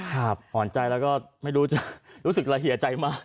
ครับอ่อนใจแล้วก็ไม่รู้จักรู้สึกละเหียจัยมาก